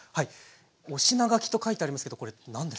お品書きと書いてありますけどこれ何ですか？